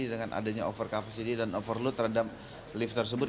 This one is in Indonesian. dengan adanya over capacity dan overload terhadap lift tersebut